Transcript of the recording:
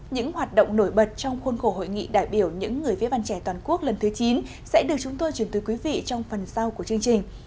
những hoạt động nổi bật trong khuôn khổ hội nghị đại biểu những người viết văn trẻ toàn quốc lần thứ chín sẽ được chúng tôi chuyển tới quý vị trong phần sau của chương trình